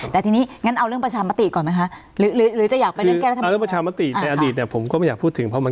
แต่ทีนี้งั้นเอาเรื่องประชามติก่อนไหมฮะหรือหรือจะอยากไปเรื่องแก้รัฐมนุน